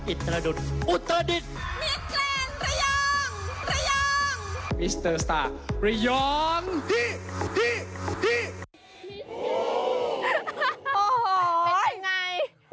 อิตรดุดอุดเตอร์ดิท